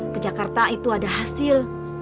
ke jakarta itu ada hasil